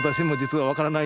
はい。